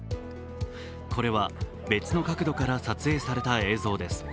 これは別の角度から撮影された映像です。